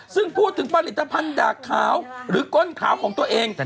ซึ่งพูดถึงผลิตภัณฑ์ดากขาวหรือก้นขาวของตัวเอง